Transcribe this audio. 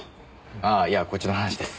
ああいやこっちの話です。